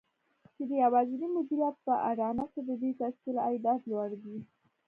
چې د يوازېني مديريت په اډانه کې د دې تشکيل عايدات لوړ دي.